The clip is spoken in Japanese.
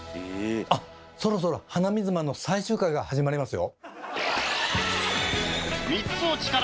あっそろそろ鼻水マンの最終回が始まりますよ！